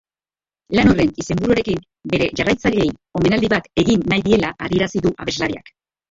Lan horren izenburuarekin bere jarraitzaileei omenaldi bat egin nahi diela adierazi du abeslariak.